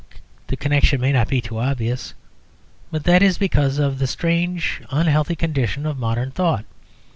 The connection may not be obvious; but that is because of the strangely unhealthy condition of modern thought.